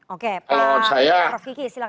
oke pak rofiki silakan